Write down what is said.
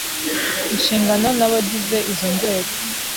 inshingano n’abagize izo nzego.